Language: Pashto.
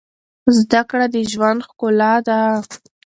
زده کړه د ژوند ښکلا ده.